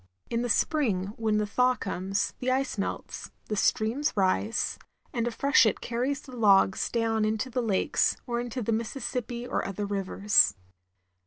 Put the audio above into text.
In the spring, when the thaw comes, the ice melts, the streams rise, and a freshet carries the logs down into the lakes, or into the Mis sissippi or other drivers.